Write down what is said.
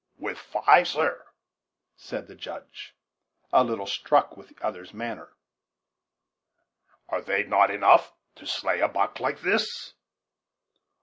"With five, sir," said the Judge, a little struck with the other's manner; "are they not enough to slay a buck like this?"